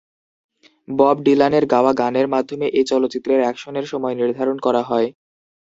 Bob ডিলানের গাওয়া গানের মাধ্যমে এই চলচ্চিত্রের অ্যাকশনের সময় নির্ধারণ করা হয়।